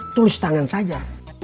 tulis tangan saja